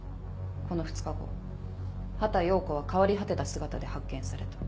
この２日後畑葉子は変わり果てた姿で発見された。